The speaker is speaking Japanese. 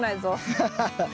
ハハハッ。